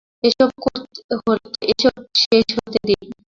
এসব শেষ হতে দিন!